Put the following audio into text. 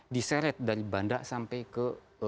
diseret dari bandar sampai ke